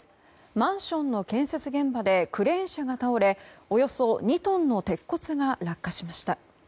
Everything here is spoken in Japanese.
マンションの建設現場でクレーン車が倒れおよそ２トンの鉄骨が落下しました。